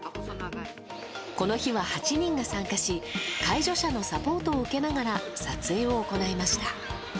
この日は８人が参加し介助者のサポートを受けながら撮影を行いました。